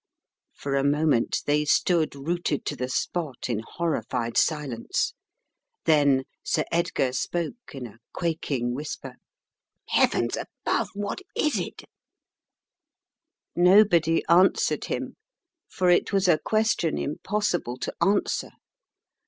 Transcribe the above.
For a moment they stood rooted to the spot in horrified silence, then Sir Edgar spoke in a quaking whisper: 108 The Riddle of the Purple Emperor "Heavens above! what is it?" Nobody answered him, for it was a question im possible to answer.